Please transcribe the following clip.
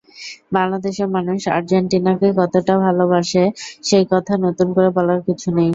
বাংলাদেশের মানুষ আর্জেন্টিনাকে কতটা ভালোবাসে সেই কথা নতুন করে বলার কিছু নেই।